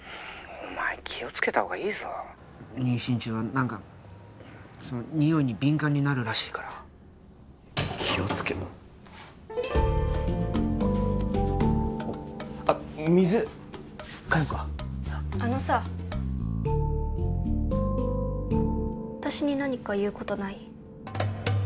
☎お前気をつけたほうがいいぞ妊娠中は何かそのにおいに敏感になるらしいから気をつけあっ水かえようかあのさ私に何か言うことない？